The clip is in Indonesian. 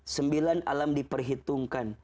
sembilan alam diperhitungkan